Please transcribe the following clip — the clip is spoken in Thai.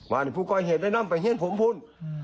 ว่าผู้ก้อยเห็นได้น้ำไปเห็นผมพูด